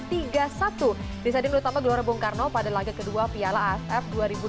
disediakan utama gelora bung karno pada lagu kedua piala asf dua ribu delapan belas